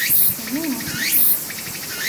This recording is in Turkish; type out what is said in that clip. Onu unutmuşum.